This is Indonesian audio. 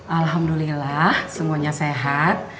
alhamdulillah semuanya sehat